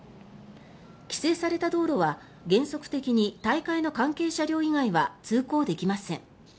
規制された道路は原則的に大会の関係車両以外は通行できません。